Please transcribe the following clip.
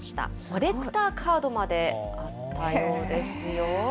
コレクターカードまであったようですよ。